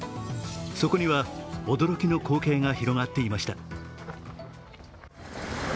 そこには驚きの光景が広がっていました。